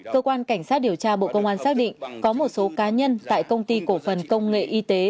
cơ quan cảnh sát điều tra bộ công an xác định có một số cá nhân tại công ty cổ phần công nghệ y tế